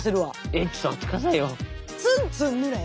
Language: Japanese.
えっちょっと待ってくださいよ。